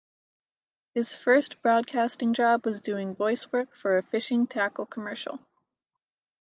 His first broadcasting job was doing voice work for a fishing tackle commercial.